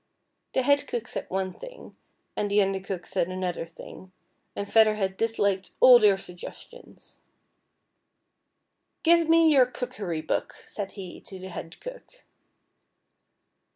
The head cook said one thing, and the under cook said another thing, and Feather Head disliked all their sugges tions. FEATHER HEAD, 233 •' Give me your cookery book," said he to the head cook.